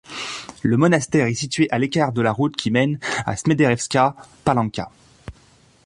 Le monastère est situé à l'écart de la route qui mène à Smederevska Palanka.